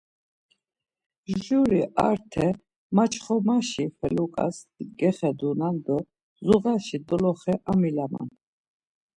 Juri arte maçxomaşi feluǩas gexedunan do zuğaşi doloxe amilaman.